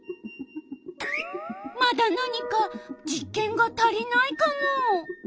まだなにか実験が足りないカモ。